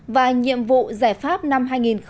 và nhiệm vụ giải pháp năm hai nghìn một mươi chín